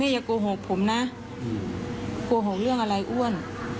อย่าโกหกผมนะโกหกเรื่องอะไรอ้วน